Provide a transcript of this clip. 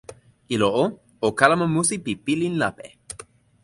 ilo o, o kalama musi pi pilin lape.